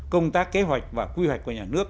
công tác kế hoạch và quy hoạch của nhà nước